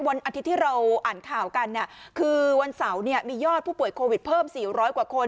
วันอาทิตย์ที่เราอ่านข่าวกันคือวันเสาร์เนี่ยมียอดผู้ป่วยโควิดเพิ่ม๔๐๐กว่าคน